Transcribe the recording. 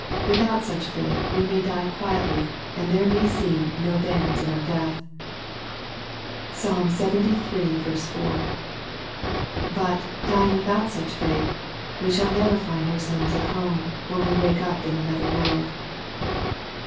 Without such faith we may die quietly, and there may seem ^^ no bands in our death." (Psalm Ixxiii. 4.) But, dying without such faith, we shall never find ourselves at home, when we wake up in another world.